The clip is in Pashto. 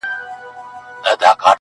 زه به يې ياد يم که نه,